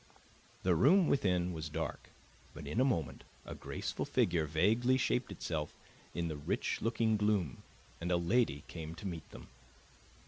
The room within was dark, but in a moment a graceful figure vaguely shaped itself in the rich looking gloom, and a lady came to meet them.